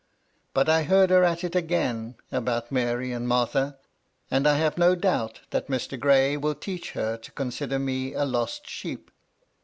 But I heard her at it agam about Mary and Martha, and I have no doubt that Mr. Gray will teach her to consider me a lost sheep."